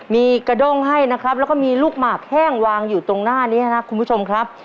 มีกระด้งให้นะครับแล้วก็มีลูกหมากแห้งวางอยู่ตรงหน้านี้นะครับคุณผู้ชมครับ